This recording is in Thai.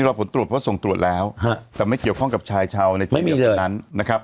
รอผลตรวจเพราะส่งตรวจแล้วแต่ไม่เกี่ยวข้องกับชายชาวในทีมเรียกบันนั้น